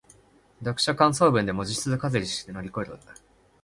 読書感想文で文字数稼ぎして乗り切る